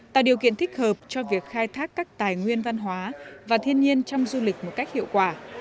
tạo điều kiện thích hợp cho việc khai thác các tài nguyên văn hóa và thiên nhiên trong du lịch một cách hiệu quả